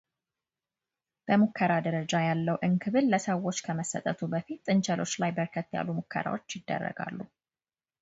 በሙከራ ደረጃ ያለው እንክብል ለሰዎች ከመሰጠቱ በፊት ጥንቸሎች ላይ በርከት ያሉ ሙከራዎች ይደረጋሉ።